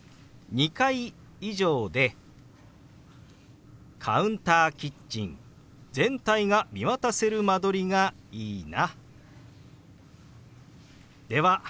２階以上でカウンターキッチン全体が見渡せる間取りがいいな。